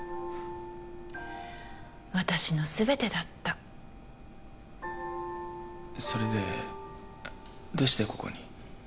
私のすべてだったそれでどうしてここに？